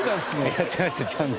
やってましたちゃんと。